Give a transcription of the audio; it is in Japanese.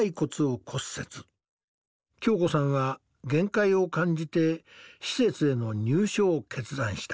恭子さんは限界を感じて施設への入所を決断した。